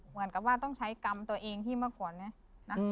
เหมือนกับว่าต้องใช้กรรมตัวเองที่เมื่อก่อนเนี่ยนะ